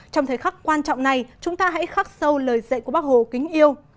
trong thời khắc quan trọng này chúng ta hãy khắc sâu lời dạy của bác hồ kính yêu